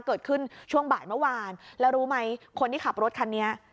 เกิดขึ้นช่วงบ่ายเมื่อวานแล้วรู้ไหมคนที่ขับรถคันนี้